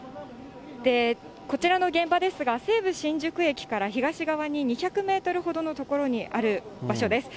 こちらの現場ですが、西武新宿駅から東側に２００メートルほどの所にある場所です。